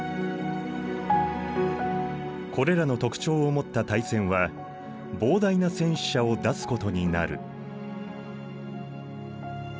これらの特徴を持った大戦は膨大な戦死者を出すことになる。